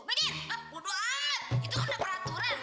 budu amat itu kan udah peraturan